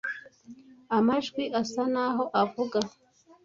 "Amajwi asa naho avuga ----"